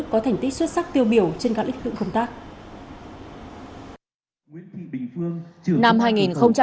có thành tích xuất sắc tiêu biểu trên các lĩnh vực công tác